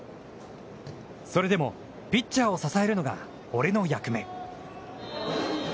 それでもピッチャーを支えるのが俺の役目。